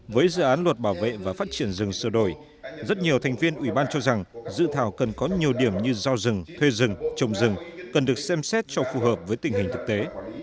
với dự án luật bảo vệ và phát triển rừng sửa đổi rất nhiều thành viên ủy ban cho rằng dự thảo cần có nhiều điểm như giao rừng thuê rừng trồng rừng cần được xem xét cho phù hợp với tình hình thực tế